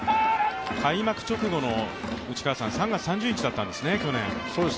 開幕直後の内川さん、３月３０日だったんですね。